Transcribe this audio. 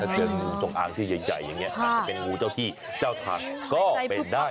เจองูจงอางที่ใหญ่อย่างนี้อาจจะเป็นงูเจ้าที่เจ้าทางก็เป็นได้